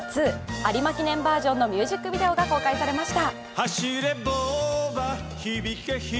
有馬記念バージョンのミュージックビデオが公開されました。